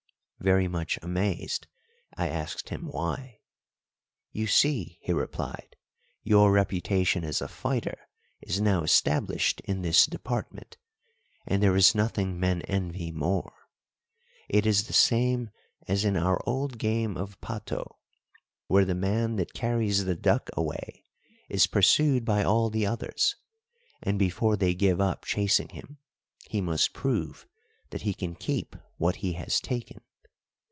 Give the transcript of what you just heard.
Very much amazed, I asked him why. "You see," he replied, "your reputation as a fighter is now established in this department, and there is nothing men envy more. It is the same as in our old game of pato, where the man that carries the duck away is pursued by all the others, and before they give up chasing him he must prove that he can keep what he has taken.